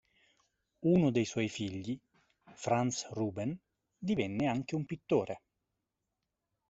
Uno dei suoi figli, Franz Ruben, divenne anche un pittore.